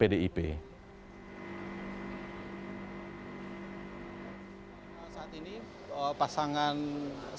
saat ini pasangan saifullah yusuf